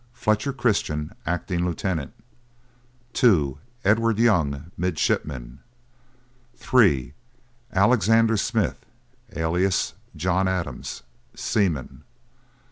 FLETCHER CHRISTIAN, Acting Lieutenant. 2. EDWARD YOUNG, Midshipman. 3. ALEXANDER SMITH (alias JOHN ADAMS), Seaman.